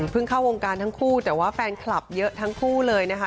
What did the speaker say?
เข้าวงการทั้งคู่แต่ว่าแฟนคลับเยอะทั้งคู่เลยนะคะ